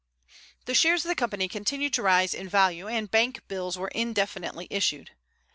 The shares of the Company continued to rise in value, and bank bills were indefinitely issued.